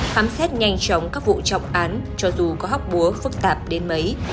khám xét nhanh chóng các vụ trọng án cho dù có hóc búa phức tạp đến mấy